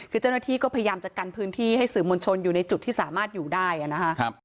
คือเจ้าหน้าที่ก็พยายามจะกันพื้นที่ให้สื่อมวลชนอยู่ในจุดที่สามารถอยู่ได้นะคะ